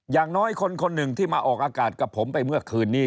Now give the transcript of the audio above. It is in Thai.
อย่างน้อยคนหนึ่งที่มาออกอากาศกับผมไปเมื่อคืนนี้